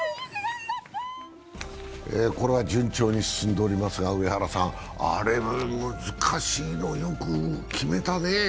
これは順調に進んでおりますが、上原さん、あれは難しいの、よく決めたね。